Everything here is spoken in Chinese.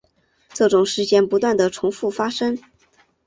这种事件不断地重覆发生。